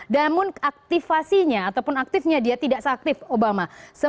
namun aktifasinya ataupun aktifnya dia tidak seaktif obama